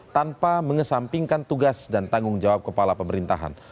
tanpa mengesampingkan tugas dan tanggung jawab kepala pemerintahan